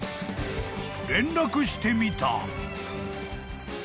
［連絡してみた］